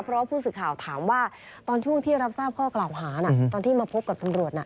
เพราะว่าผู้สื่อข่าวถามว่าตอนช่วงที่รับทราบข้อกล่าวหาตอนที่มาพบกับตำรวจน่ะ